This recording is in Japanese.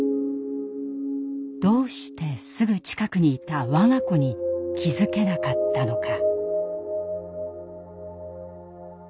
どうしてすぐ近くにいた我が子に気付けなかったのか。